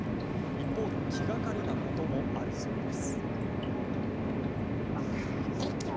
一方で、気がかりなこともあるそうです。